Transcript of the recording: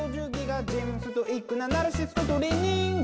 「ストイックなナルシストトレーニング！」